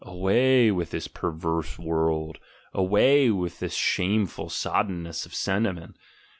Away with this "perverse world"! Away with this shameful soddenness of sentiment!